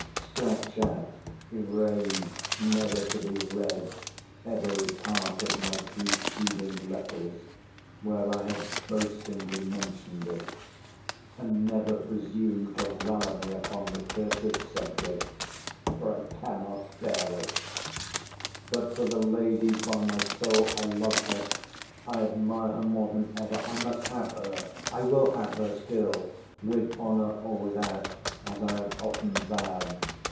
—Scratch out, erase, never to be read, every part of my preceding letters, where I have boastingly mentioned it. And never presume to rally me upon the cursed subject: for I cannot bear it. But for the lady, by my soul, I love her. I admire her more than ever! I must have her. I will have her still—with honour or without, as I have often vowed.